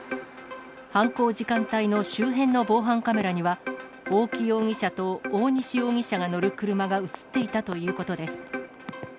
犯行時間帯の周辺の防犯カメラには、大木容疑者と大西容疑者が乗る車が写っていたということです。